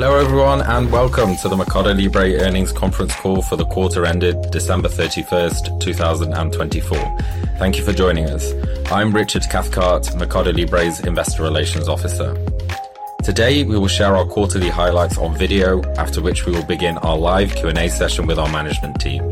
Hello everyone, and welcome to the MercadoLibre Earnings Conference Call for the quarter ended December 31st, 2024. Thank you for joining us. I'm Richard Cathcart, MercadoLibre's Investor Relations Officer. Today we will share our quarterly highlights on video, after which we will begin our live Q&A session with our management team.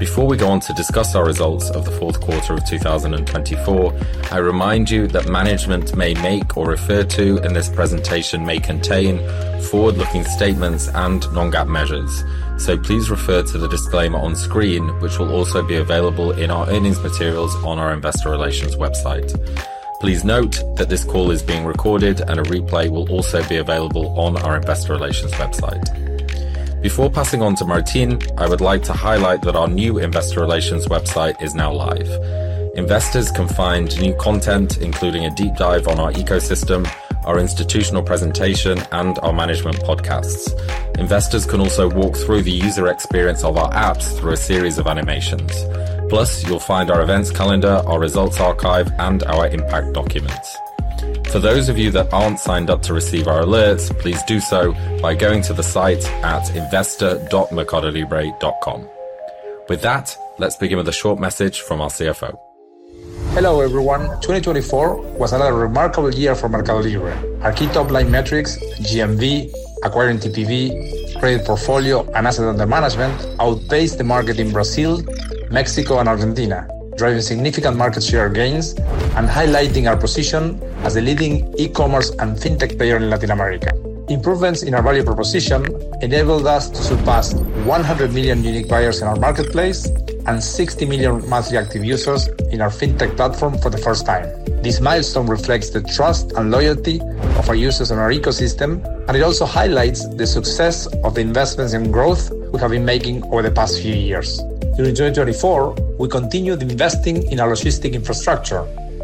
Before we go on to discuss our results of the fourth quarter of 2024, I remind you that management may make or refer to in this presentation may contain forward-looking statements and non-GAAP measures. So please refer to the disclaimer on screen, which will also be available in our earnings materials on our Investor Relations website. Please note that this call is being recorded, and a replay will also be available on our Investor Relations website. Before passing on to Martín, I would like to highlight that our new Investor Relations website is now live. Investors can find new content, including a deep dive on our ecosystem, our institutional presentation, and our management podcasts. Investors can also walk through the user experience of our apps through a series of animations. Plus, you'll find our events calendar, our results archive, and our impact documents. For those of you that aren't signed up to receive our alerts, please do so by going to the site at investor.mercadolibre.com. With that, let's begin with a short message from our CFO. Hello everyone. 2024 was another remarkable year for MercadoLibre. Our key top-line metrics, GMV, acquiring TPV, credit portfolio, and assets under management outpaced the market in Brazil, Mexico, and Argentina, driving significant market share gains and highlighting our position as the leading e-commerce and fintech player in Latin America. Improvements in our value proposition enabled us to surpass 100 million unique buyers in our marketplace and 60 million monthly active users in our fintech platform for the first time. This milestone reflects the trust and loyalty of our users and our ecosystem, and it also highlights the success of the investments and growth we have been making over the past few years. During 2024, we continued investing in our logistics infrastructure,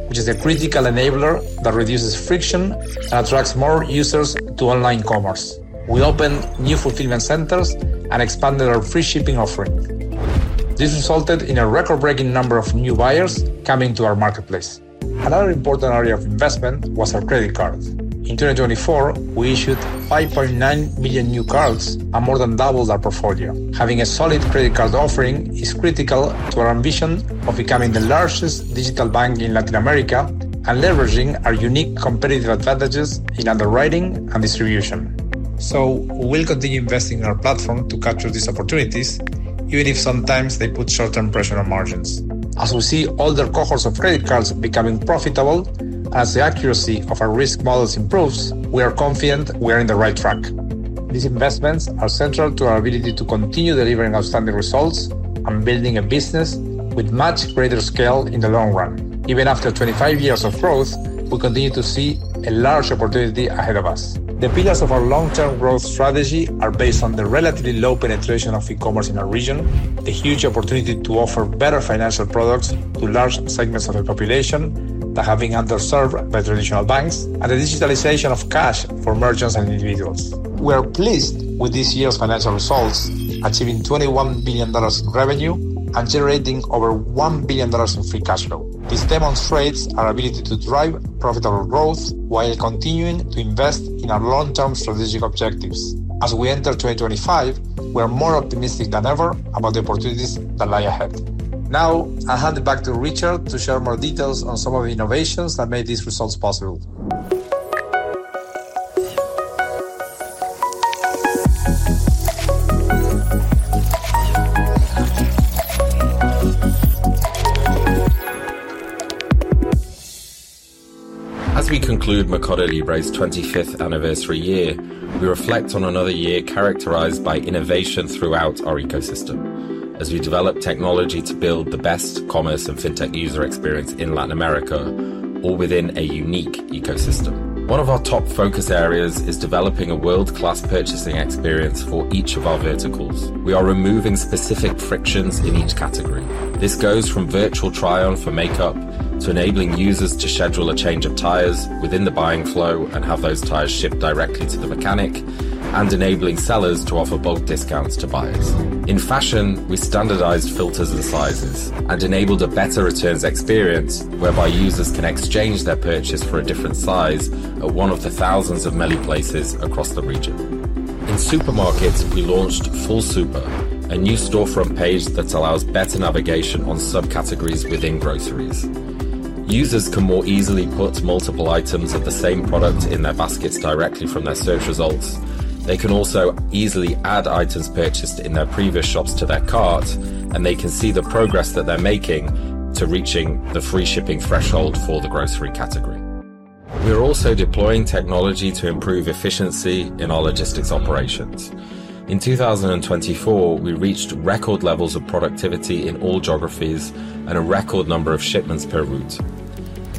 which is a critical enabler that reduces friction and attracts more users to online commerce. We opened new fulfillment centers and expanded our free shipping offering. This resulted in a record-breaking number of new buyers coming to our marketplace. Another important area of investment was our credit cards. In 2024, we issued 5.9 million new cards and more than doubled our portfolio. Having a solid credit card offering is critical to our ambition of becoming the largest digital bank in Latin America and leveraging our unique competitive advantages in underwriting and distribution. So we'll continue investing in our platform to capture these opportunities, even if sometimes they put short-term pressure on margins. As we see older cohorts of credit cards becoming profitable and as the accuracy of our risk models improves, we are confident we are in the right track. These investments are central to our ability to continue delivering outstanding results and building a business with much greater scale in the long run. Even after 25 years of growth, we continue to see a large opportunity ahead of us. The pillars of our long-term growth strategy are based on the relatively low penetration of e-commerce in our region, the huge opportunity to offer better financial products to large segments of the population that have been underserved by traditional banks, and the digitalization of cash for merchants and individuals. We are pleased with this year's financial results, achieving $21 billion in revenue and generating over $1 billion in free cash flow. This demonstrates our ability to drive profitable growth while continuing to invest in our long-term strategic objectives. As we enter 2025, we are more optimistic than ever about the opportunities that lie ahead. Now, I'll hand it back to Richard to share more details on some of the innovations that made these results possible. As we conclude MercadoLibre's 25th anniversary year, we reflect on another year characterized by innovation throughout our ecosystem, as we develop technology to build the best commerce and fintech user experience in Latin America, all within a unique ecosystem. One of our top focus areas is developing a world-class purchasing experience for each of our verticals. We are removing specific frictions in each category. This goes from virtual try-on for makeup to enabling users to schedule a change of tires within the buying flow and have those tires shipped directly to the mechanic, and enabling sellers to offer bulk discounts to buyers. In fashion, we standardized filters and sizes and enabled a better returns experience, whereby users can exchange their purchase for a different size at one of the thousands of Meli Places across the region. In supermarkets, we launched FullSuper, a new storefront page that allows better navigation on subcategories within groceries. Users can more easily put multiple items of the same product in their baskets directly from their search results. They can also easily add items purchased in their previous shops to their cart, and they can see the progress that they're making to reaching the free shipping threshold for the grocery category. We're also deploying technology to improve efficiency in our logistics operations. In 2024, we reached record levels of productivity in all geographies and a record number of shipments per route.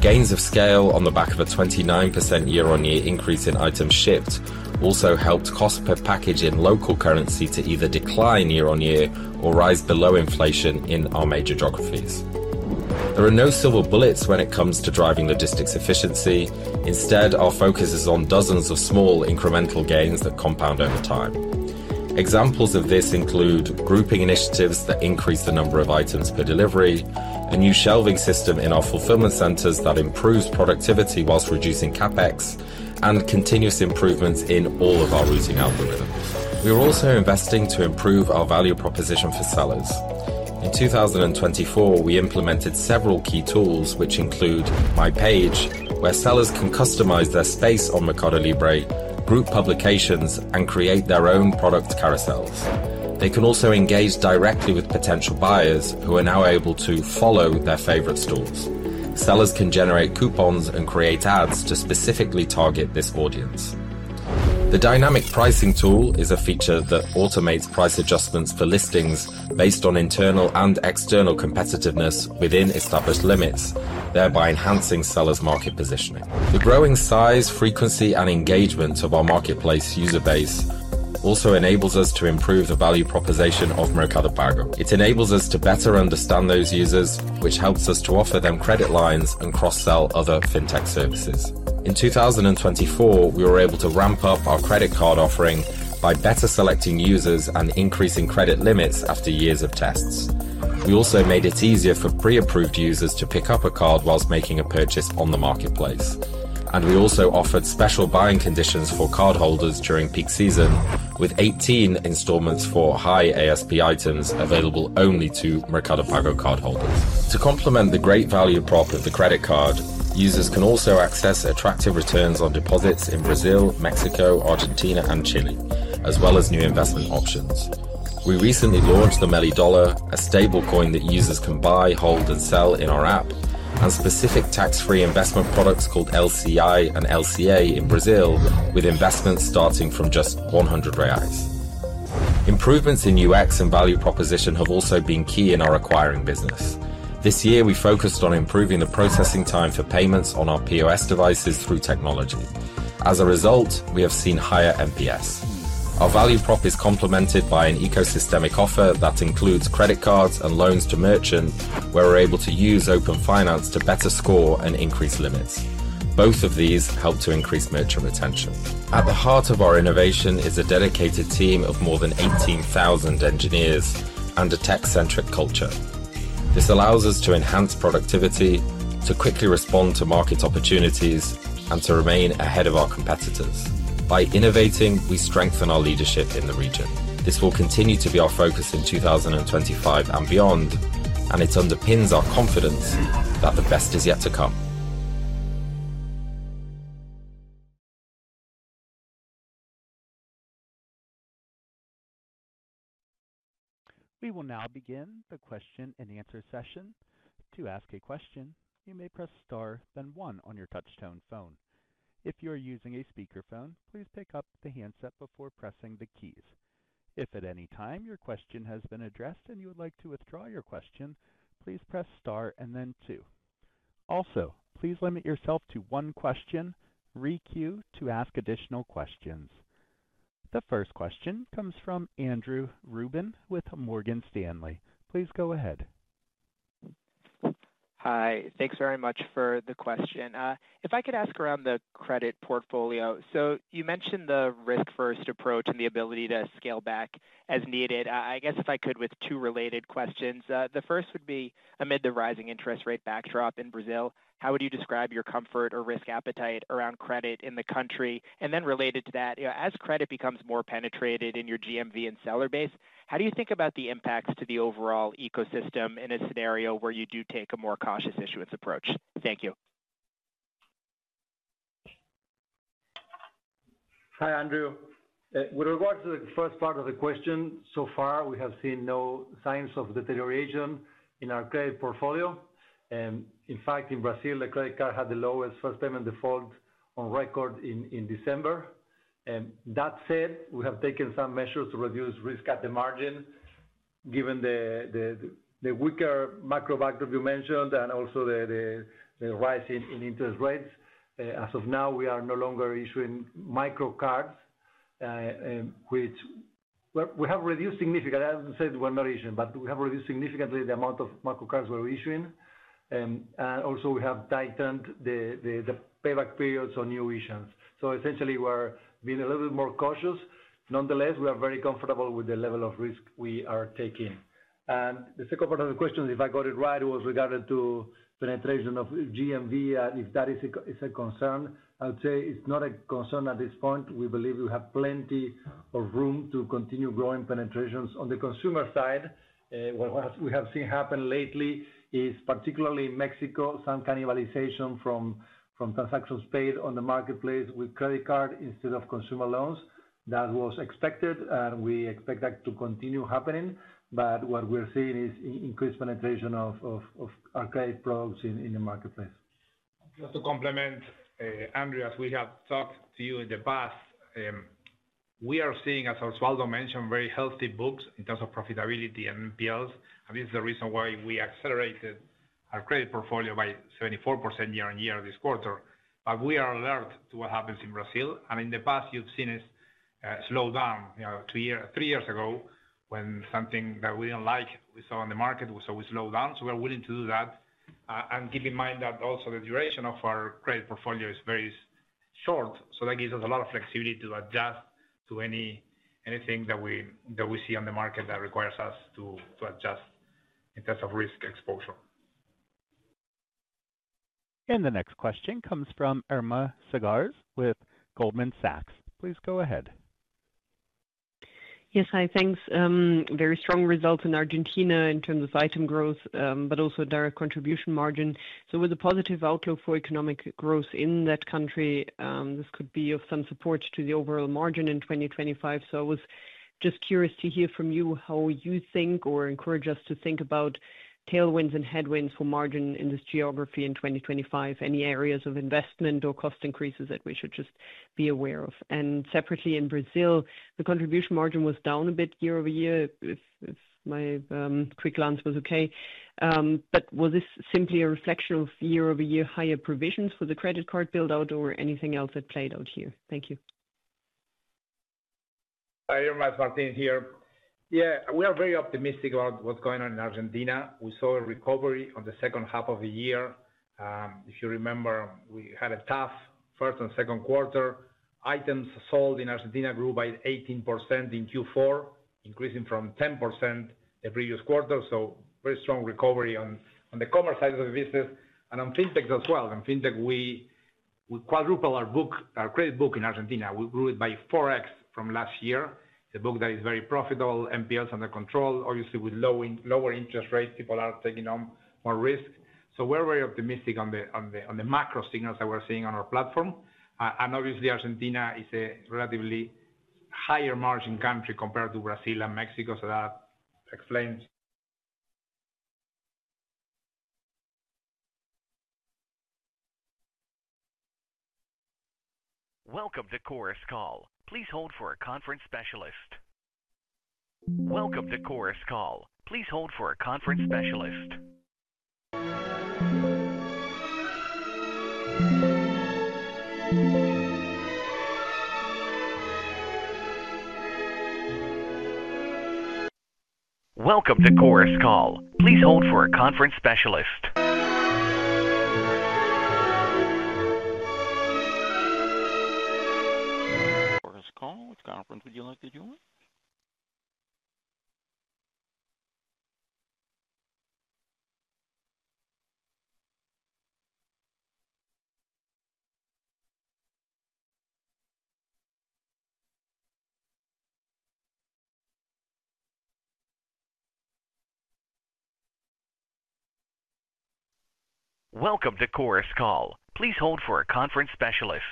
Gains of scale on the back of a 29% year-on-year increase in items shipped also helped cost per package in local currency to either decline year-on-year or rise below inflation in our major geographies. There are no silver bullets when it comes to driving logistics efficiency. Instead, our focus is on dozens of small incremental gains that compound over time. Examples of this include grouping initiatives that increase the number of items per delivery, a new shelving system in our fulfillment centers that improves productivity while reducing CapEx, and continuous improvements in all of our routing algorithms. We are also investing to improve our value proposition for sellers. In 2024, we implemented several key tools, which include My Page, where sellers can customize their space on MercadoLibre, group publications, and create their own product carousels. They can also engage directly with potential buyers who are now able to follow their favorite stores. Sellers can generate coupons and create ads to specifically target this audience. The Dynamic Pricing tool is a feature that automates price adjustments for listings based on internal and external competitiveness within established limits, thereby enhancing sellers' market positioning. The growing size, frequency, and engagement of our marketplace user base also enables us to improve the value proposition of Mercado Pago. It enables us to better understand those users, which helps us to offer them credit lines and cross-sell other fintech services. In 2024, we were able to ramp up our credit card offering by better selecting users and increasing credit limits after years of tests. We also made it easier for pre-approved users to pick up a card while making a purchase on the marketplace, and we also offered special buying conditions for cardholders during peak season, with 18 installments for high ASP items available only to Mercado Pago cardholders. To complement the great value prop of the credit card, users can also access attractive returns on deposits in Brazil, Mexico, Argentina, and Chile, as well as new investment options. We recently launched the Meli Dollar, a stablecoin that users can buy, hold, and sell in our app, and specific tax-free investment products called LCI and LCA in Brazil, with investments starting from just 100 reais. Improvements in UX and value proposition have also been key in our acquiring business. This year, we focused on improving the processing time for payments on our POS devices through technology. As a result, we have seen higher NPS. Our value prop is complemented by an ecosystemic offer that includes credit cards and loans to merchants, where we're able to use Open Finance to better score and increase limits. Both of these help to increase merchant retention. At the heart of our innovation is a dedicated team of more than 18,000 engineers and a tech-centric culture. This allows us to enhance productivity, to quickly respond to market opportunities, and to remain ahead of our competitors. By innovating, we strengthen our leadership in the region. This will continue to be our focus in 2025 and beyond, and it underpins our confidence that the best is yet to come. We will now begin the question and answer session. To ask a question, you may press star, then one on your touch-tone phone. If you are using a speakerphone, please pick up the handset before pressing the keys. If at any time your question has been addressed and you would like to withdraw your question, please press star and then two. Also, please limit yourself to one question. Re-queue to ask additional questions. The first question comes from Andrew Ruben with Morgan Stanley. Please go ahead. Hi, thanks very much for the question. If I could ask around the credit portfolio, so you mentioned the risk-first approach and the ability to scale back as needed. I guess if I could with two related questions. The first would be, amid the rising interest rate backdrop in Brazil, how would you describe your comfort or risk appetite around credit in the country? And then related to that, as credit becomes more penetrated in your GMV and seller base, how do you think about the impacts to the overall ecosystem in a scenario where you do take a more cautious issuance approach? Thank you. Hi, Andrew. With regards to the first part of the question, so far we have seen no signs of deterioration in our credit portfolio. In fact, in Brazil, the credit card had the lowest first payment default on record in December. That said, we have taken some measures to reduce risk at the margin, given the weaker macro factor you mentioned and also the rise in interest rates. As of now, we are no longer issuing micro-cards, which we have reduced significantly. I wouldn't say we're not issuing, but we have reduced significantly the amount of micro-cards we're issuing. And also, we have tightened the payback periods on new issuance. So essentially, we're being a little bit more cautious. Nonetheless, we are very comfortable with the level of risk we are taking. And the second part of the question, if I got it right, was regarding to penetration of GMV. If that is a concern, I would say it's not a concern at this point. We believe we have plenty of room to continue growing penetrations on the consumer side. What we have seen happen lately is, particularly in Mexico, some cannibalization from transactions paid on the marketplace with credit cards instead of consumer loans. That was expected, and we expect that to continue happening. But what we're seeing is increased penetration of our credit products in the marketplace. Just to complement, Andrew, as we have talked to you in the past, we are seeing, as Osvaldo mentioned, very healthy books in terms of profitability and P&Ls, and this is the reason why we accelerated our credit portfolio by 74% year-on-year this quarter, but we are alert to what happens in Brazil, and in the past, you've seen us slow down. Three years ago, when something that we didn't like we saw in the market was always slowed down, so we are willing to do that, and keep in mind that also the duration of our credit portfolio is very short, so that gives us a lot of flexibility to adjust to anything that we see on the market that requires us to adjust in terms of risk exposure. The next question comes from Irma Sgarz with Goldman Sachs. Please go ahead. Yes, hi, thanks. Very strong results in Argentina in terms of item growth, but also direct contribution margin. With a positive outlook for economic growth in that country, this could be of some support to the overall margin in 2025. I was just curious to hear from you how you think or encourage us to think about tailwinds and headwinds for margin in this geography in 2025, any areas of investment or cost increases that we should just be aware of. Separately, in Brazil, the contribution margin was down a bit year-over-year, if my quick glance was okay. But was this simply a reflection of year-over-year higher provisions for the credit card build-out or anything else that played out here? Thank you. Hi, I'm Martín here. Yeah, we are very optimistic about what's going on in Argentina. We saw a recovery in the second half of the year. If you remember, we had a tough first and second quarter. Items sold in Argentina grew by 18% in Q4, increasing from 10% the previous quarter, so very strong recovery on the commerce side of the business, and on fintechs as well. In fintech, we quadrupled our credit book in Argentina. We grew it by 4x from last year. It's a book that is very profitable. NPLs under control. Obviously, with lower interest rates, people are taking on more risk, so we're very optimistic on the macro signals that we're seeing on our platform, and obviously, Argentina is a relatively higher margin country compared to Brazil and Mexico, so that explains. Welcome to Chorus Call. Please hold for a conference specialist. Chorus Call, which conference would you like to join? Welcome to Chorus Call. Please hold for a conference specialist.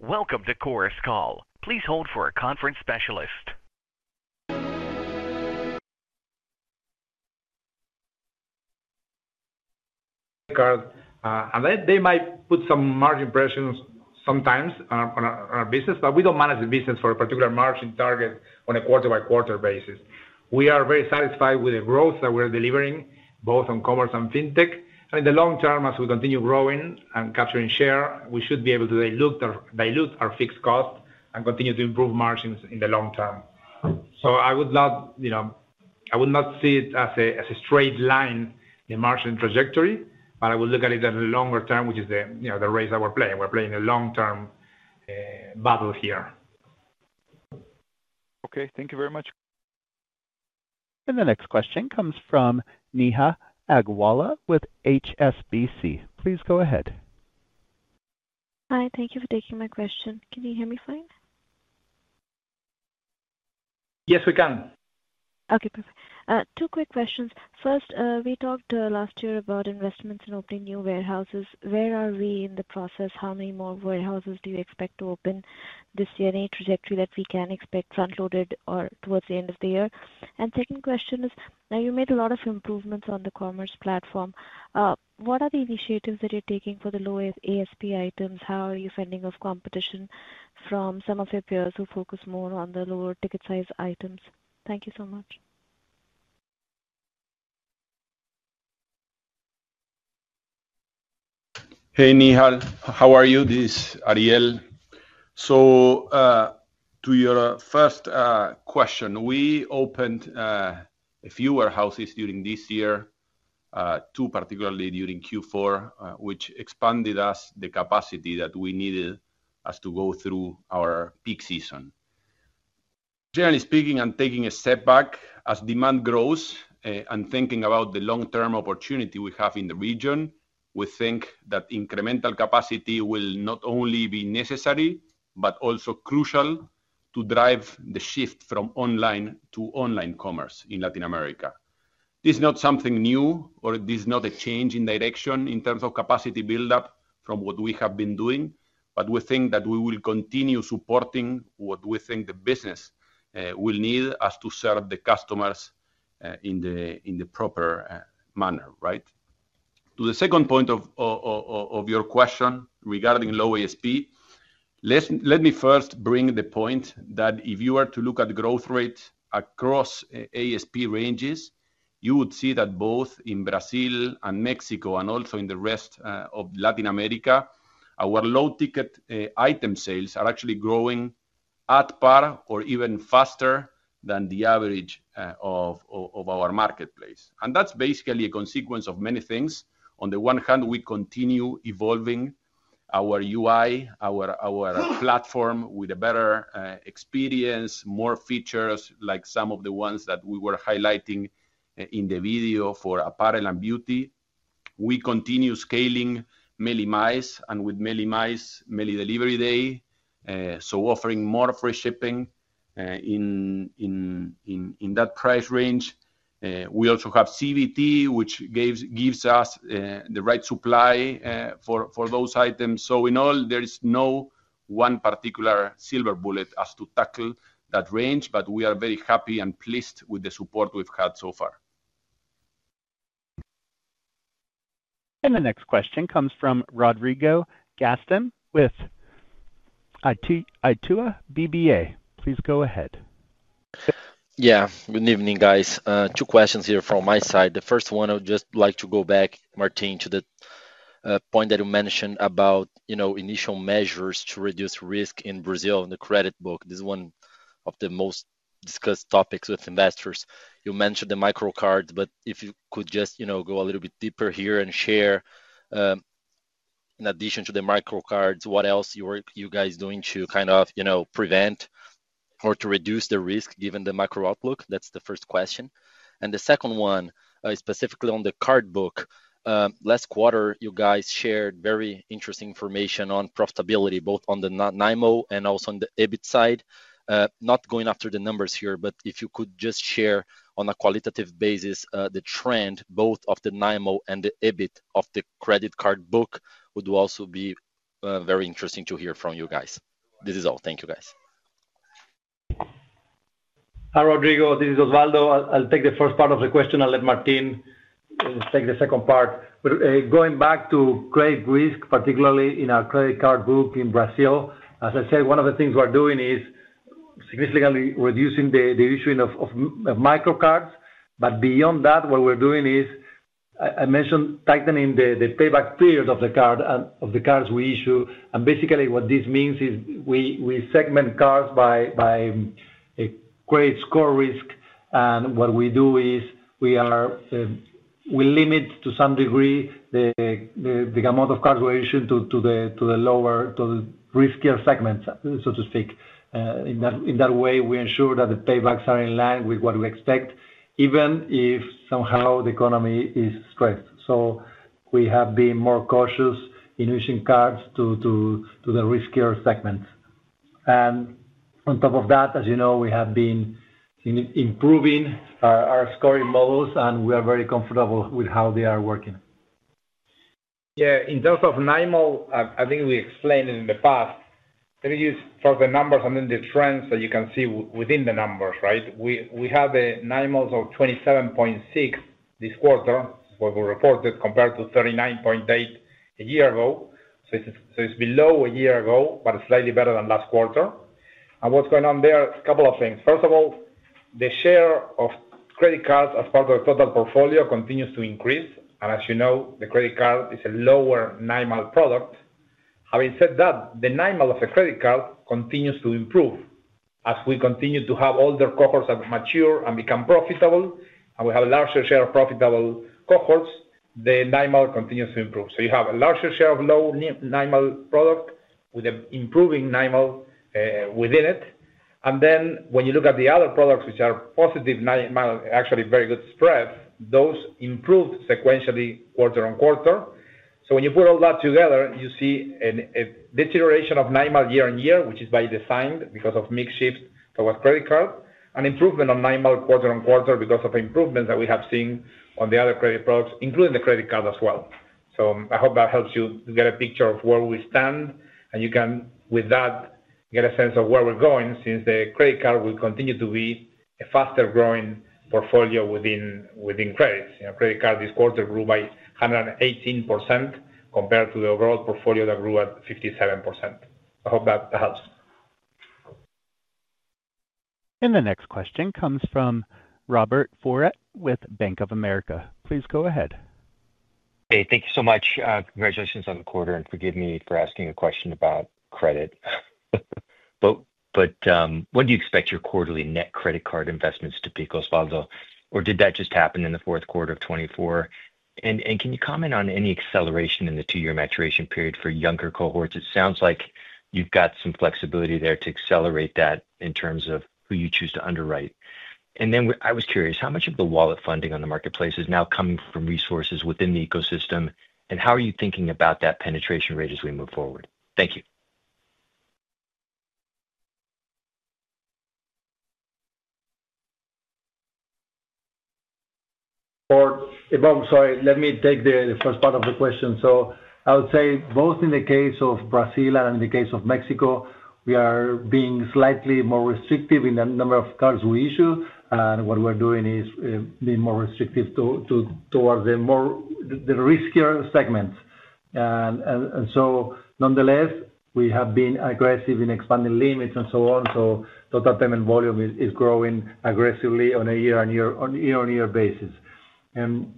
Welcome to Chorus Call. Please hold for a conference specialist. And they might put some margin pressures sometimes on our business, but we don't manage the business for a particular margin target on a quarter-by-quarter basis. We are very satisfied with the growth that we're delivering, both on commerce and fintech. And in the long term, as we continue growing and capturing share, we should be able to dilute our fixed cost and continue to improve margins in the long term. So I would not see it as a straight line in the margin trajectory, but I would look at it as a longer term, which is the race that we're playing. We're playing a long-term battle here. Okay, thank you very much. The next question comes from Neha Agarwala with HSBC. Please go ahead. Hi, thank you for taking my question. Can you hear me fine? Yes, we can. Okay, perfect. Two quick questions. First, we talked last year about investments in opening new warehouses. Where are we in the process? How many more warehouses do you expect to open this year in a trajectory that we can expect front-loaded towards the end of the year? And second question is, you made a lot of improvements on the commerce platform. What are the initiatives that you're taking for the low ASP items? How are you fending off competition from some of your peers who focus more on the lower ticket size items? Thank you so much. Hey, Neha, how are you? This is Ariel. So to your first question, we opened a few warehouses during this year, two particularly during Q4, which expanded our capacity that we needed to go through our peak season. Generally speaking, and taking a step back, as demand grows and thinking about the long-term opportunity we have in the region, we think that incremental capacity will not only be necessary but also crucial to drive the shift from offline to online commerce in Latin America. This is not something new, or this is not a change in direction in terms of capacity build-up from what we have been doing, but we think that we will continue supporting what we think the business will need to serve the customers in the proper manner, right? To the second point of your question regarding low ASP, let me first bring the point that if you were to look at growth rates across ASP ranges, you would see that both in Brazil and Mexico and also in the rest of Latin America, our low-ticket item sales are actually growing at par or even faster than the average of our marketplace, and that's basically a consequence of many things. On the one hand, we continue evolving our UI, our platform with a better experience, more features, like some of the ones that we were highlighting in the video for apparel and beauty. We continue scaling Meli+ and with Meli+, Meli Delivery Day, so offering more free shipping in that price range. We also have CBT, which gives us the right supply for those items. So, in all, there is no one particular silver bullet as to tackle that range, but we are very happy and pleased with the support we've had so far. The next question comes from Rodrigo Nistor with Itaú BBA. Please go ahead. Yeah, good evening, guys. Two questions here from my side. The first one, I would just like to go back, Martín, to the point that you mentioned about initial measures to reduce risk in Brazil on the credit book. This is one of the most discussed topics with investors. You mentioned the micro-cards, but if you could just go a little bit deeper here and share, in addition to the micro-cards, what else you guys are doing to kind of prevent or to reduce the risk given the macro outlook? That's the first question, and the second one, specifically on the card book, last quarter, you guys shared very interesting information on profitability, both on the NIMAL and also on the EBIT side. Not going after the numbers here, but if you could just share on a qualitative basis the trend both of the NIMAL and the EBIT of the credit card book, would also be very interesting to hear from you guys. This is all. Thank you, guys. Hi, Rodrigo. This is Osvaldo. I'll take the first part of the question. I'll let Martín take the second part. Going back to credit risk, particularly in our credit card book in Brazil, as I said, one of the things we're doing is significantly reducing the issuing of micro-cards. But beyond that, what we're doing is, I mentioned, tightening the payback period of the card we issue. And basically, what this means is we segment cards by credit score risk. And what we do is we limit to some degree the amount of cards we're issuing to the lower, to the riskier segments, so to speak. In that way, we ensure that the paybacks are in line with what we expect, even if somehow the economy is stressed. So we have been more cautious in issuing cards to the riskier segments. On top of that, as you know, we have been improving our scoring models, and we are very comfortable with how they are working. Yeah, in terms of NIMAL, I think we explained it in the past. Let me just talk about the numbers and then the trends that you can see within the numbers, right? We have the NIMALs of 27.6 this quarter, what we reported, compared to 39.8 a year ago. So it's below a year ago, but slightly better than last quarter. And what's going on there? A couple of things. First of all, the share of credit cards as part of the total portfolio continues to increase. And as you know, the credit card is a lower NIMAL product. Having said that, the NIMAL of a credit card continues to improve. As we continue to have older cohorts that mature and become profitable, and we have a larger share of profitable cohorts, the NIMAL continues to improve. You have a larger share of low-NIMAL products with an improving NIMAL within it. And then when you look at the other products, which are positive NIMAL, actually very good spread, those improved sequentially quarter-on-quarter. So when you put all that together, you see a deterioration of NIMAL year-on-year, which is by design because of mix shift towards credit card, and improvement on NIMAL quarter-on-quarter because of improvements that we have seen on the other credit products, including the credit card as well. So I hope that helps you to get a picture of where we stand, and you can, with that, get a sense of where we're going since the credit card will continue to be a faster-growing portfolio within credits. Credit card this quarter grew by 118% compared to the overall portfolio that grew at 57%. I hope that helps. The next question comes from Robert Ford with Bank of America. Please go ahead. Hey, thank you so much. Congratulations on the quarter, and forgive me for asking a question about credit, but when do you expect your quarterly net credit card investments to peak, Osvaldo, or did that just happen in the fourth quarter of 2024, and can you comment on any acceleration in the two-year maturation period for younger cohorts? It sounds like you've got some flexibility there to accelerate that in terms of who you choose to underwrite, and then I was curious, how much of the wallet funding on the marketplace is now coming from resources within the ecosystem, and how are you thinking about that penetration rate as we move forward? Thank you. Or, I'm sorry, let me take the first part of the question. So I would say both in the case of Brazil and in the case of Mexico, we are being slightly more restrictive in the number of cards we issue. And what we're doing is being more restrictive towards the riskier segments. And so nonetheless, we have been aggressive in expanding limits and so on. So total payment volume is growing aggressively on a year-on-year basis. And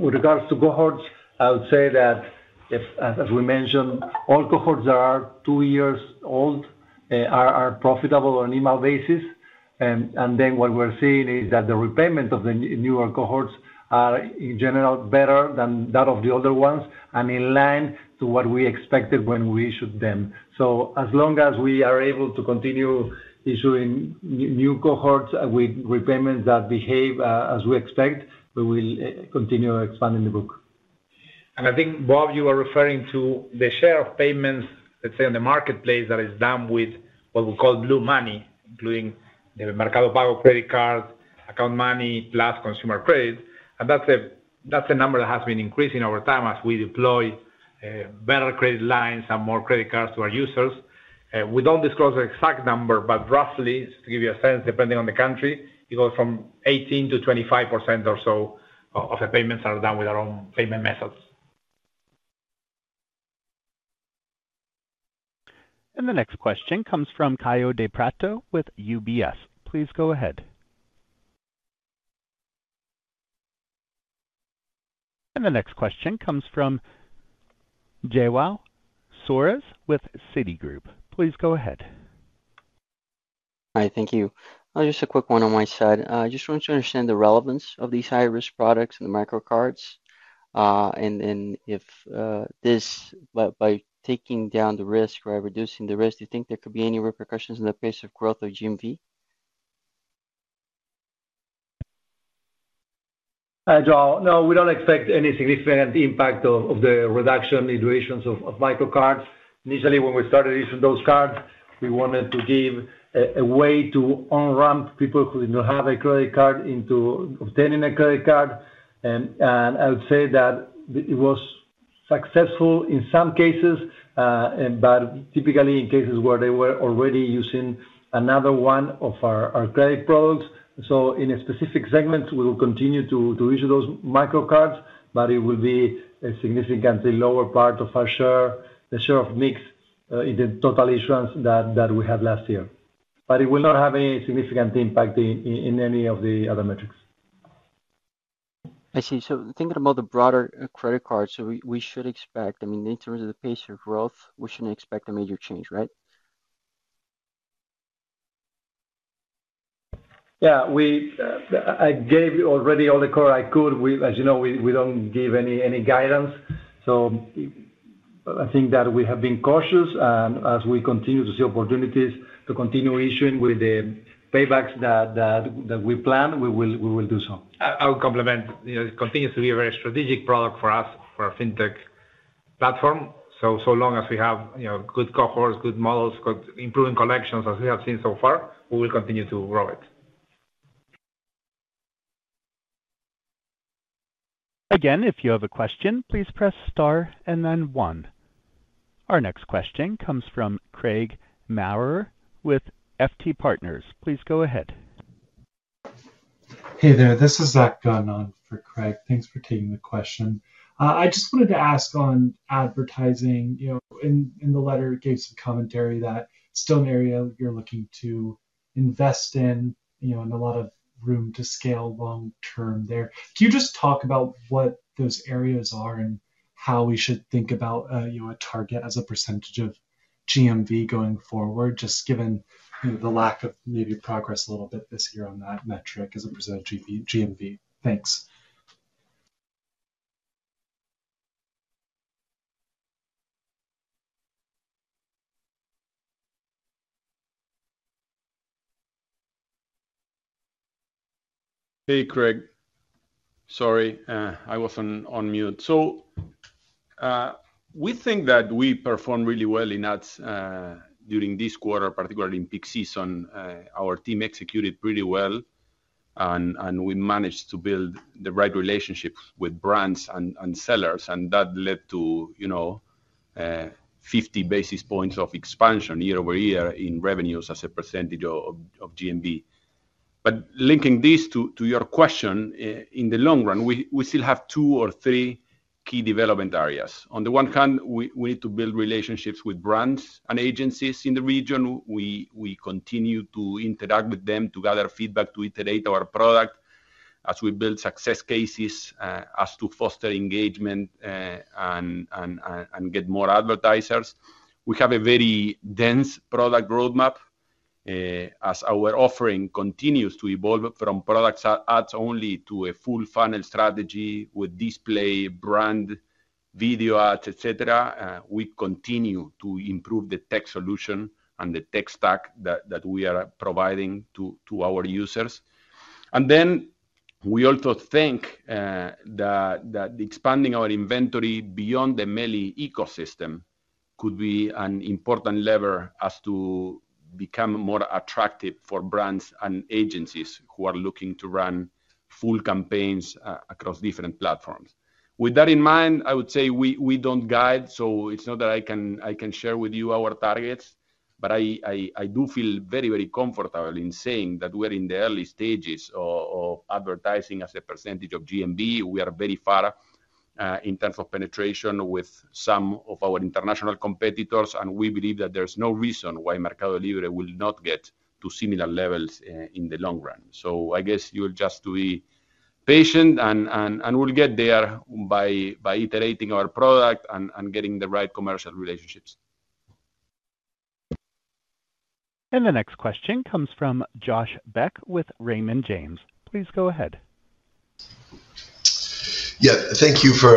with regards to cohorts, I would say that, as we mentioned, all cohorts that are two years old are profitable on an EBIT basis. And then what we're seeing is that the repayment of the newer cohorts are, in general, better than that of the older ones and in line with what we expected when we issued them. So as long as we are able to continue issuing new cohorts with repayments that behave as we expect, we will continue expanding the book. And I think, Bob, you were referring to the share of payments, let's say, on the marketplace that is done with what we call blue money, including the Mercado Pago credit card, account money, plus consumer credit. And that's a number that has been increasing over time as we deploy better credit lines and more credit cards to our users. We don't disclose the exact number, but roughly, just to give you a sense, depending on the country, it goes from 18%-25% or so of the payments are done with our own payment methods. And the next question comes from Kaio Prato with UBS. Please go ahead. And the next question comes from João Soares with Citigroup. Please go ahead. Hi, thank you. Just a quick one on my side. I just want to understand the relevance of these high-risk products and the micro-cards. And then if this, by taking down the risk or by reducing the risk, do you think there could be any repercussions in the pace of growth of GMV? Hi, João. No, we don't expect any significant impact of the reduction in durations of micro-cards. Initially, when we started issuing those cards, we wanted to give a way to on-ramp people who did not have a credit card into obtaining a credit card. And I would say that it was successful in some cases, but typically in cases where they were already using another one of our credit products. So in specific segments, we will continue to issue those micro-cards, but it will be a significantly lower part of our share, the share of mixed in the total issuance that we had last year. But it will not have any significant impact in any of the other metrics. I see, so thinking about the broader credit cards, so we should expect, I mean, in terms of the pace of growth, we shouldn't expect a major change, right? Yeah. I gave already all the core I could. As you know, we don't give any guidance. So I think that we have been cautious. And as we continue to see opportunities to continue issuing with the paybacks that we plan, we will do so. I would comment. It continues to be a very strategic product for us, for our fintech platform. So long as we have good cohorts, good models, good improving collections, as we have seen so far, we will continue to grow it. Again, if you have a question, please press star and then one. Our next question comes from Craig Maurer with FT Partners. Please go ahead. Hey there. This is Zach Gunn on for Craig. Thanks for taking the question. I just wanted to ask on advertising. In the letter, it gave some commentary that it's still an area you're looking to invest in, and a lot of room to scale long-term there. Can you just talk about what those areas are and how we should think about a target as a percentage of GMV going forward, just given the lack of maybe progress a little bit this year on that metric as opposed to GMV? Thanks. Hey, Craig. Sorry, I wasn't on mute. So we think that we performed really well in ads during this quarter, particularly in peak season. Our team executed pretty well, and we managed to build the right relationships with brands and sellers. And that led to 50 basis points of expansion year-over-year in revenues as a percentage of GMV. But linking this to your question, in the long run, we still have two or three key development areas. On the one hand, we need to build relationships with brands and agencies in the region. We continue to interact with them to gather feedback, to iterate our product as we build success cases as to foster engagement and get more advertisers. We have a very dense product roadmap. As our offering continues to evolve from products ads only to a full-funnel strategy with display, brand, video ads, et cetera, we continue to improve the tech solution and the tech stack that we are providing to our users. And then we also think that expanding our inventory beyond the Meli ecosystem could be an important lever as to become more attractive for brands and agencies who are looking to run full campaigns across different platforms. With that in mind, I would say we don't guide. So it's not that I can share with you our targets, but I do feel very, very comfortable in saying that we're in the early stages of advertising as a percentage of GMV. We are very far in terms of penetration with some of our international competitors, and we believe that there's no reason why MercadoLibre will not get to similar levels in the long run, so I guess you'll just be patient, and we'll get there by iterating our product and getting the right commercial relationships. And the next question comes from Josh Beck with Raymond James. Please go ahead. Yeah. Thank you for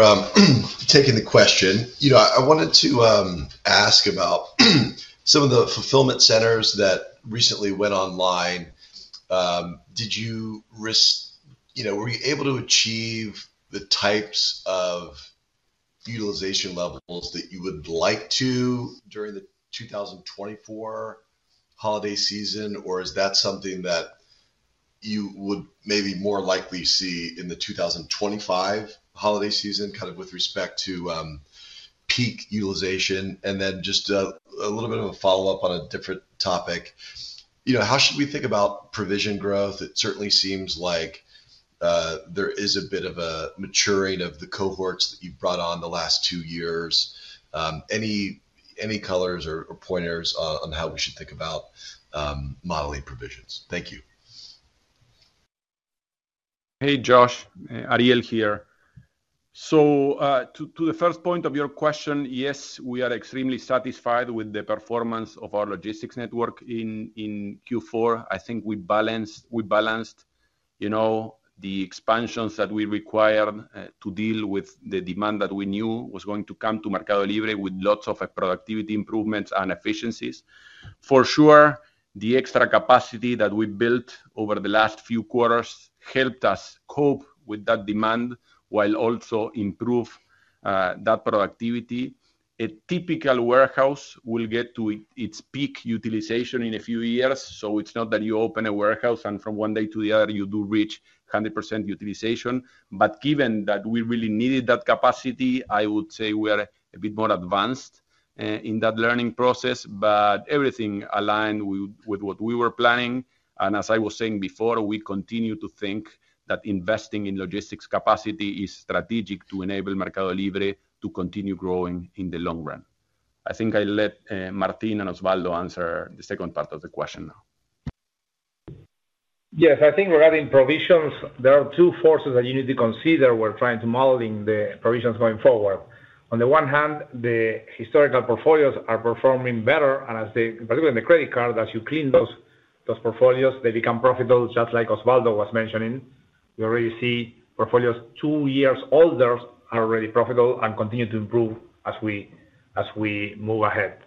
taking the question. I wanted to ask about some of the fulfillment centers that recently went online. Were you able to achieve the types of utilization levels that you would like to during the 2024 holiday season, or is that something that you would maybe more likely see in the 2025 holiday season kind of with respect to peak utilization? And then just a little bit of a follow-up on a different topic. How should we think about provision growth? It certainly seems like there is a bit of a maturing of the cohorts that you've brought on the last two years. Any colors or pointers on how we should think about modeling provisions? Thank you. Hey, Josh. Ariel here. So to the first point of your question, yes, we are extremely satisfied with the performance of our logistics network in Q4. I think we balanced the expansions that we required to deal with the demand that we knew was going to come to MercadoLibre with lots of productivity improvements and efficiencies. For sure, the extra capacity that we built over the last few quarters helped us cope with that demand while also improving that productivity. A typical warehouse will get to its peak utilization in a few years. So it's not that you open a warehouse and from one day to the other, you do reach 100% utilization. But given that we really needed that capacity, I would say we are a bit more advanced in that learning process, but everything aligned with what we were planning. As I was saying before, we continue to think that investing in logistics capacity is strategic to enable MercadoLibre to continue growing in the long run. I think I let Martín and Osvaldo answer the second part of the question now. Yes. I think regarding provisions, there are two forces that you need to consider when trying to model the provisions going forward. On the one hand, the historical portfolios are performing better, and particularly in the credit cards. As you clean those portfolios, they become profitable, just like Osvaldo was mentioning. You already see portfolios two years older are already profitable and continue to improve as we move ahead.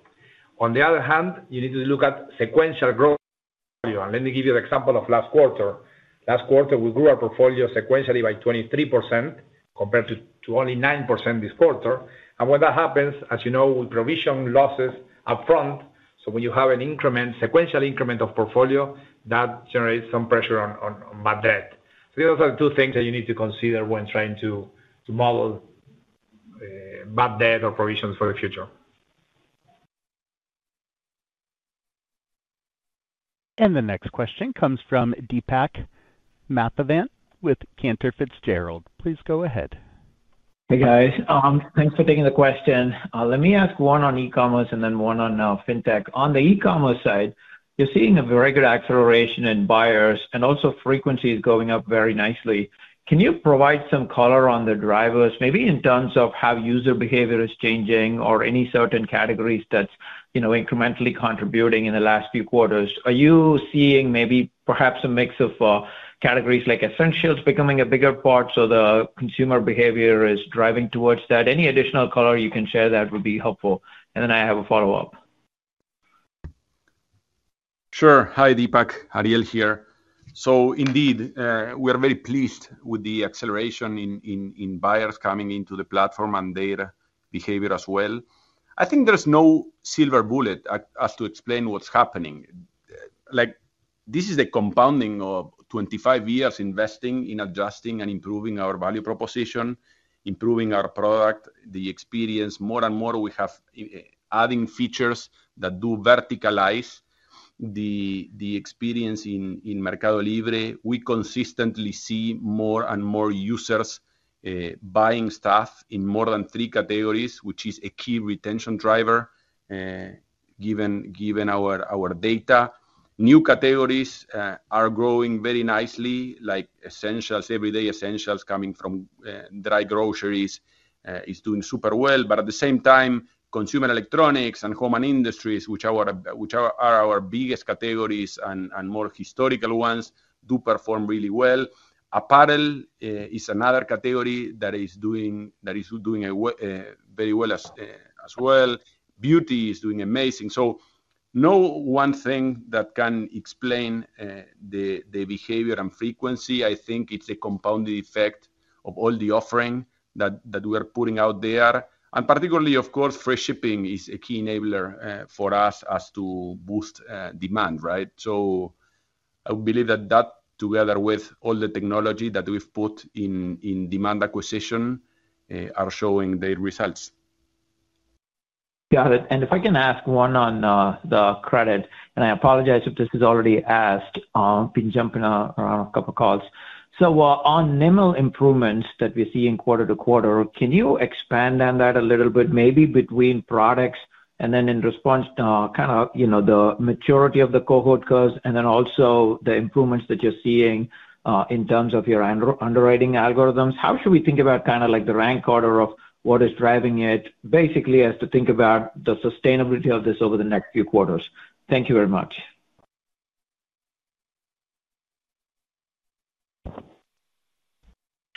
On the other hand, you need to look at sequential growth, and let me give you the example of last quarter. Last quarter, we grew our portfolio sequentially by 23% compared to only 9% this quarter, and when that happens, as you know, we provision losses upfront, so when you have an increment, sequential increment of portfolio, that generates some pressure on bad debt. Those are the two things that you need to consider when trying to model bad debt or provisions for the future. The next question comes from Deepak Mathivanan with Cantor Fitzgerald. Please go ahead. Hey, guys. Thanks for taking the question. Let me ask one on e-commerce and then one on fintech. On the e-commerce side, you're seeing a very good acceleration in buyers and also frequencies going up very nicely. Can you provide some color on the drivers, maybe in terms of how user behavior is changing or any certain categories that's incrementally contributing in the last few quarters? Are you seeing maybe perhaps a mix of categories like essentials becoming a bigger part, so the consumer behavior is driving towards that? Any additional color you can share that would be helpful, and then I have a follow-up. Sure. Hi, Deepak. Ariel here. So indeed, we are very pleased with the acceleration in buyers coming into the platform and their behavior as well. I think there's no silver bullet as to explain what's happening. This is a compounding of 25 years investing in adjusting and improving our value proposition, improving our product, the experience. More and more, we have adding features that do verticalize the experience in MercadoLibre. We consistently see more and more users buying stuff in more than three categories, which is a key retention driver given our data. New categories are growing very nicely, like essentials. Everyday essentials coming from dry groceries is doing super well. But at the same time, consumer electronics and home and industries, which are our biggest categories and more historical ones, do perform really well. Apparel is another category that is doing very well as well. Beauty is doing amazing. So, no one thing that can explain the behavior and frequency. I think it's a compounded effect of all the offering that we are putting out there, and particularly, of course, free shipping is a key enabler for us as to boost demand, right? So I believe that that, together with all the technology that we've put in demand acquisition, are showing their results. Got it, and if I can ask one on the credit, and I apologize if this is already asked. I've been jumping around a couple of calls, so on NIM improvements that we see in quarter-to-quarter, can you expand on that a little bit, maybe between products and then in response, kind of the maturity of the cohort goals and then also the improvements that you're seeing in terms of your underwriting algorithms? How should we think about kind of the rank order of what is driving it, basically as to think about the sustainability of this over the next few quarters? Thank you very much.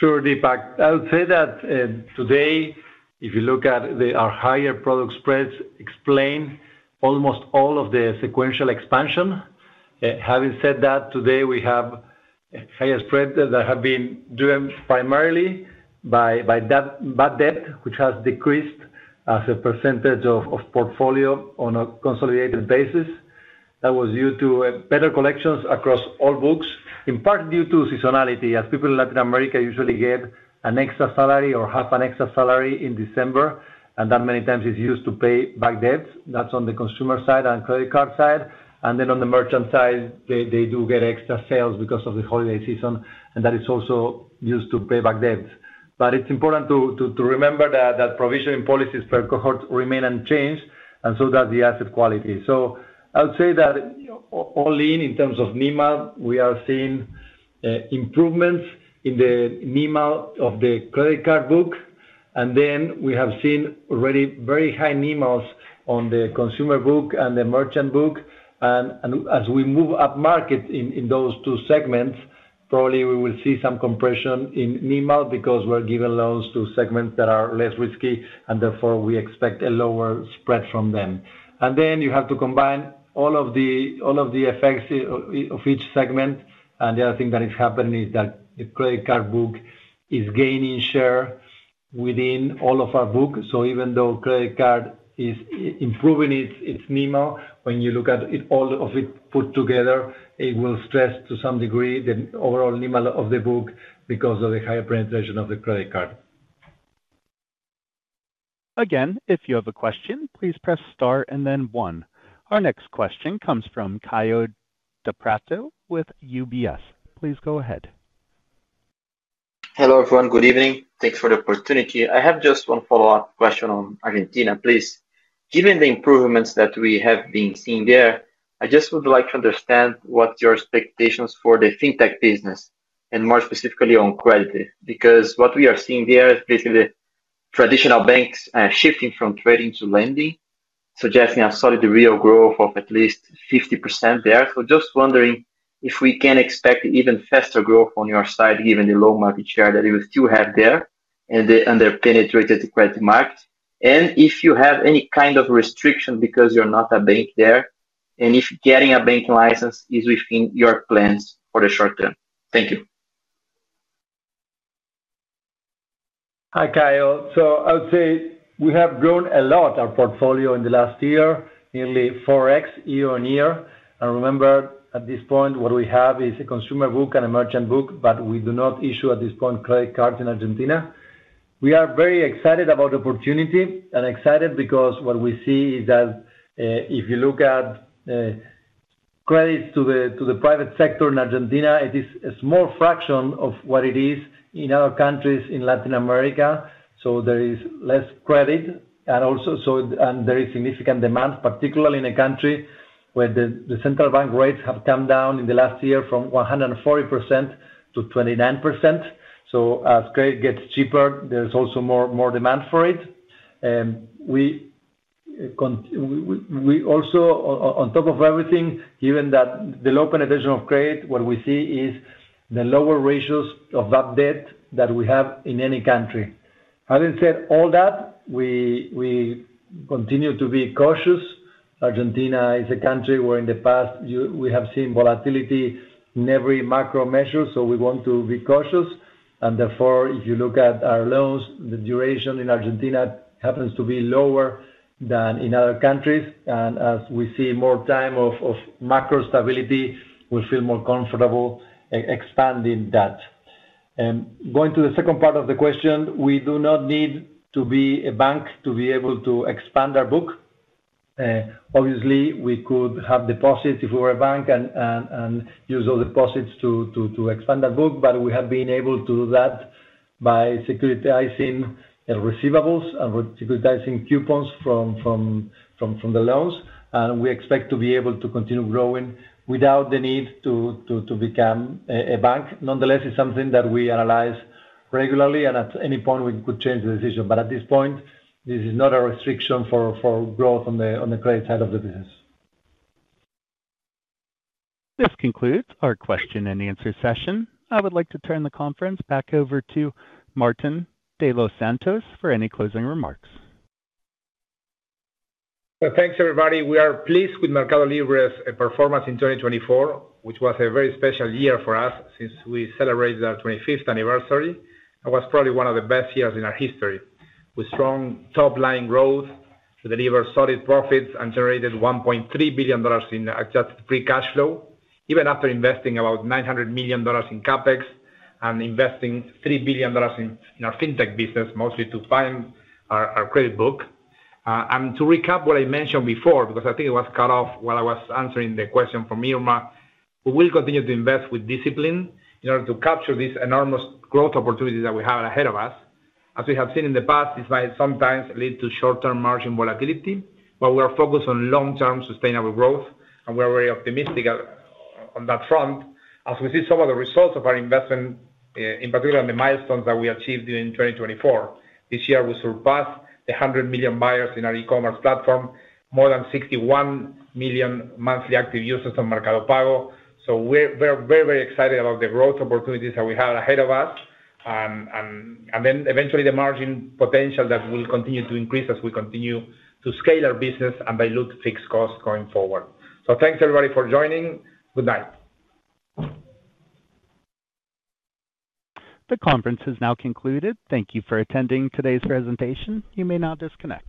Sure, Deepak. I would say that today, if you look at our higher product spreads, explain almost all of the sequential expansion. Having said that, today we have higher spreads that have been driven primarily by bad debt, which has decreased as a percentage of portfolio on a consolidated basis. That was due to better collections across all books, in part due to seasonality, as people in Latin America usually get an extra salary or half an extra salary in December, and that many times is used to pay back debts. That's on the consumer side and credit card side. And then on the merchant side, they do get extra sales because of the holiday season, and that is also used to pay back debts. But it's important to remember that provisioning policies per cohort remain unchanged, and so does the asset quality. So I would say that all in, in terms of NIMAL, we are seeing improvements in the NIMAL of the credit card book. And then we have seen already very high NIMALS on the consumer book and the merchant book. And as we move up market in those two segments, probably we will see some compression in NIMAL because we're giving loans to segments that are less risky, and therefore we expect a lower spread from them. And then you have to combine all of the effects of each segment. And the other thing that is happening is that the credit card book is gaining share within all of our book. So even though credit card is improving its NIMAL, when you look at all of it put together, it will stress to some degree the overall NIMAL of the book because of the higher penetration of the credit card. Again, if you have a question, please press star and then one. Our next question comes from Kaio Prato with UBS. Please go ahead. Hello everyone. Good evening. Thanks for the opportunity. I have just one follow-up question on Argentina, please. Given the improvements that we have been seeing there, I just would like to understand what your expectations are for the fintech business, and more specifically on credit, because what we are seeing there is basically traditional banks shifting from trading to lending, suggesting a solid real growth of at least 50% there. So just wondering if we can expect even faster growth on your side, given the large market share that you still have there and the underpenetrated credit market. And if you have any kind of restriction because you're not a bank there, and if getting a bank license is within your plans for the short term. Thank you. Hi, Kaio. So I would say we have grown a lot, our portfolio in the last year, nearly 4x year-on-year. And remember, at this point, what we have is a consumer book and a merchant book, but we do not issue at this point credit cards in Argentina. We are very excited about the opportunity and excited because what we see is that if you look at credits to the private sector in Argentina, it is a small fraction of what it is in other countries in Latin America. So there is less credit, and there is significant demand, particularly in a country where the central bank rates have come down in the last year from 140%-29%. So as credit gets cheaper, there's also more demand for it. Also, on top of everything, given that the low penetration of credit, what we see is the lower ratios of bad debt that we have in any country. Having said all that, we continue to be cautious. Argentina is a country where in the past we have seen volatility in every macro measure, so we want to be cautious, and therefore, if you look at our loans, the duration in Argentina happens to be lower than in other countries, and as we see more time of macro stability, we feel more comfortable expanding that. Going to the second part of the question, we do not need to be a bank to be able to expand our book. Obviously, we could have deposits if we were a bank and use those deposits to expand our book, but we have been able to do that by securitizing receivables and securitizing coupons from the loans. And we expect to be able to continue growing without the need to become a bank. Nonetheless, it's something that we analyze regularly, and at any point, we could change the decision. But at this point, this is not a restriction for growth on the credit side of the business. This concludes our question and answer session. I would like to turn the conference back over to Martín de los Santos for any closing remarks. Thanks, everybody. We are pleased with MercadoLibre's performance in 2024, which was a very special year for us since we celebrated our 25th anniversary. It was probably one of the best years in our history, with strong top-line growth, delivered solid profits, and generated $1.3 billion in adjusted free cash flow, even after investing about $900 million in CapEx and investing $3 billion in our fintech business, mostly to fund our credit book. And to recap what I mentioned before, because I think it was cut off while I was answering the question from Irma, we will continue to invest with discipline in order to capture this enormous growth opportunity that we have ahead of us. As we have seen in the past, this might sometimes lead to short-term margin volatility, but we are focused on long-term sustainable growth, and we are very optimistic on that front as we see some of the results of our investment, in particular the milestones that we achieved during 2024. This year, we surpassed 100 million buyers in our e-commerce platform, more than 61 million monthly active users on Mercado Pago. So we're very, very excited about the growth opportunities that we have ahead of us, and then eventually the margin potential that will continue to increase as we continue to scale our business and dilute fixed costs going forward. So thanks, everybody, for joining. Good night. The conference has now concluded. Thank you for attending today's presentation. You may now disconnect.